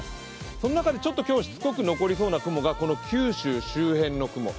そんな中で今日しつこく残りそうなのが九州周辺の雲。